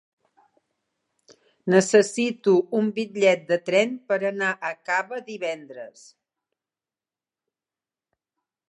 Necessito un bitllet de tren per anar a Cava divendres.